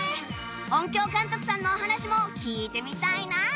音響監督さんのお話も聞いてみたいなあ